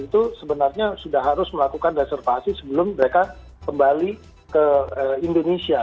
itu sebenarnya sudah harus melakukan reservasi sebelum mereka kembali ke indonesia